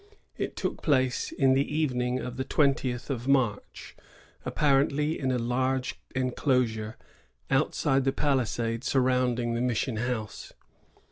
It took place in the evening of the twentieth of March, apparently in a large enclosure outside the palisade surrounding the mission house.